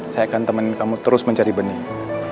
saya akan temenin kamu terus mencari bening